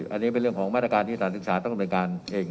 อันนี้เป็นเรื่องของมาตรการที่สถานศึกษาต้องดำเนินการเอง